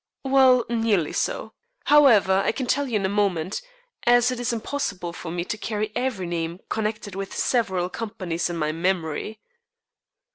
"Well, nearly so. However, I can tell you in a moment, as it is impossible for me to carry every name connected with several companies in my memory."